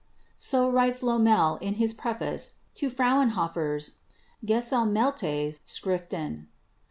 So writes Lommel in his preface to Frauenhofer's 'Gesam melte Schriften.'